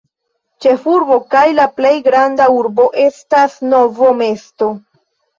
Ĉefurbo kaj la plej granda urbo estas Novo mesto.